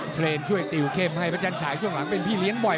เทรนด์ช่วยติวเข้มให้ประจันฉายช่วงหลังเป็นพี่เลี้ยงบ่อย